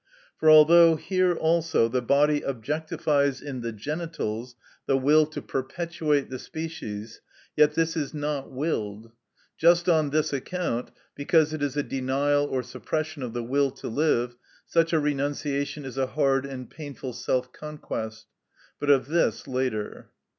For although here also the body objectifies in the genitals the will to perpetuate the species, yet this is not willed. Just on this account, because it is a denial or suppression of the will to live, such a renunciation is a hard and painful self conquest; but of this later.